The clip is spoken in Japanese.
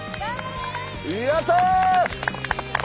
やった！